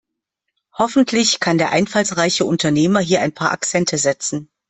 Hoffentlich kann der einfallsreiche Unternehmer hier ein paar Akzente setzen.